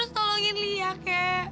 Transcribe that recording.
terus tolongin lia kek